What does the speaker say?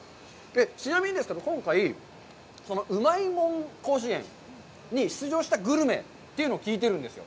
ちなみにですけど、今回、その「うまいもん甲子園」に出場したグルメというのを聞いてるんですよ。